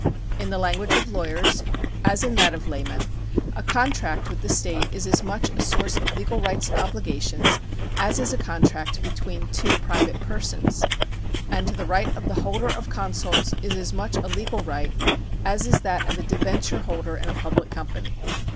In the language of lawyers, as in that of laymen, a contract with the state is as much a source of legal rights and obligations, as is a contract between two private persons ; and the right of the holder of consols is as much a legal right, as is that of a debenture holder in a public company.